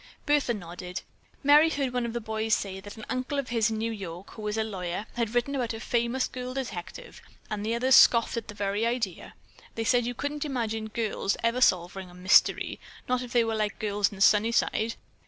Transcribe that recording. Bertha nodded. "Merry heard one of the boys say that an uncle of his in New York, who is a lawyer, had written about a famous girl detective, and the others scoffed at the very idea. They said they couldn't imagine girls ever solving a mystery, not if they were all like girls in Sunnyside.